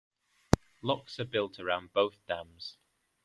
Locks are built around both dams.